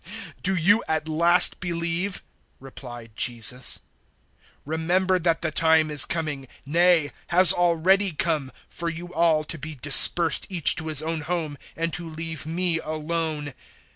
016:031 "Do you at last believe?" replied Jesus. 016:032 "Remember that the time is coming, nay, has already come, for you all to be dispersed each to his own home and to leave me alone.